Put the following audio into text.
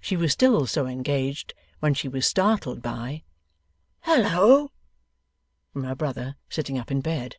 She was still so engaged, when she was startled by: 'Hal loa!' From her brother, sitting up in bed.